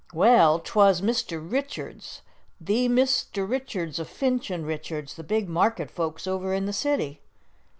"Well, 'twas Mr. Richards the Mr. Richards o' Finch & Richards, the big market folks over in the city."